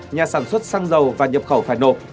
nhà sản xuất xăng dầu và nhập khẩu phải nộp